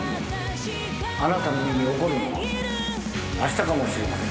あなたの身に起こるのはあしたかもしれません。